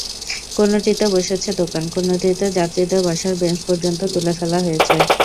কোনোটিতে বসেছে দোকান, কোনোটিতে যাত্রীদের বসার বেঞ্চ পর্যন্ত তুলে ফেলা হয়েছে।